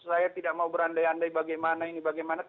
saya tidak mau berandai andai bagaimana ini bagaimana